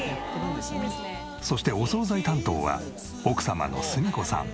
そしてお惣菜担当は奥様の澄子さん。